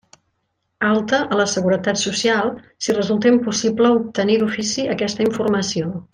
Alta a la Seguretat Social, si resulta impossible obtenir d'ofici aquesta informació.